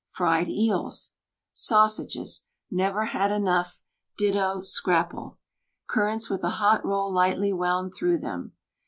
Fried eels. Sausages; never had enough; ditto scrapple I Currants with a hot roll lightly wound through them.